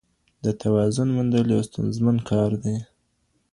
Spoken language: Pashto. د توازن موندل یو ستونزمن کار دی.